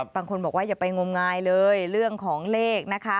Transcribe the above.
บางคนบอกว่าอย่าไปงมงายเลยเรื่องของเลขนะคะ